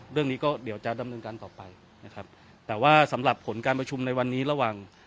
เรื่องนี้ก็เดี๋ยวจะดำเนินการต่อไปนะครับแต่ว่าสำหรับผลการประชุมในวันนี้ระหว่าง